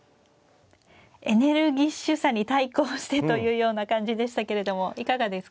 エネルギッシュさに対抗してというような感じでしたけれどもいかがですか。